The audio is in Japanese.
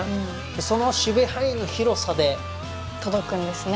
その守備範囲の広さで届くんですね